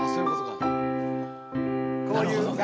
なるほどね